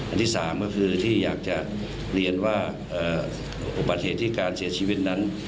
ที่สามก็คือที่อยากจะเรียนว่าอุบัติเหตุที่การเสียชีวิตนั้น